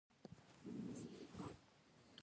مسیح به راشي او پر هغه تخت به ناست وي.